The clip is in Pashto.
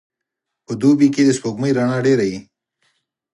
په دوبي کي د سپوږمۍ رڼا ډېره وي.